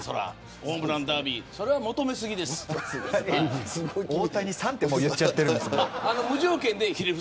ホームランダービーは大谷さんって言っちゃってる。